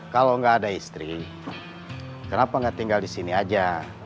kalau nggak ada istri kenapa nggak tinggal di sini aja